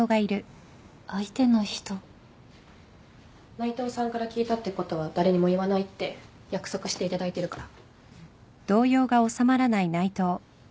内藤さんから聞いたってことは誰にも言わないって約束していただいてるから。